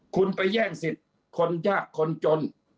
คุณไปแย่งสิทธิ์คนยากคนจน